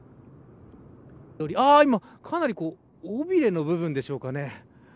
今かなり尾びれの部分でしょうか。